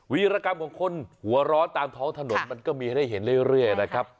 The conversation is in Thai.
วิรกรรมของคนหัวร้อนตามท้องถนนมันก็มีให้ได้เห็นเรื่อยนะครับ